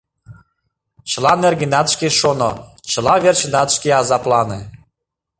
Чыла нергенат шке шоно, чыла верчынат шке азаплане.